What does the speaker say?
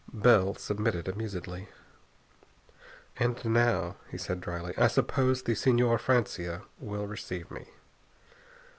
Bell submitted amusedly. "And now," he said dryly, "I suppose the Señor Francia will receive me?"